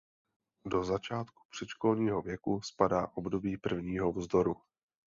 Do začátku předškolního věku spadá období prvního vzdoru.